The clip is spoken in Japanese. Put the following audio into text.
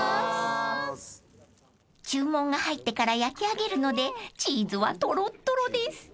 ［注文が入ってから焼き上げるのでチーズはとろっとろです］